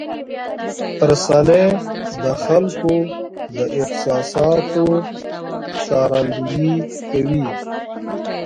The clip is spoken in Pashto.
رسنۍ د خلکو د احساساتو ښکارندویي کوي.